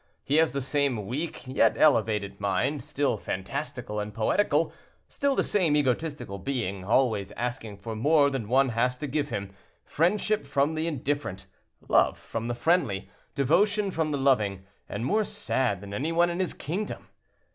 He has the same weak, yet elevated mind—still fantastical and poetical—still the same egotistical being, always asking for more than one has to give him, friendship from the indifferent, love from the friendly, devotion from the loving, and more sad than any one in his kingdom.